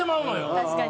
確かに。